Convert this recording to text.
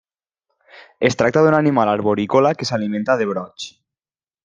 Es tracta d'un animal arborícola que s'alimenta de brots.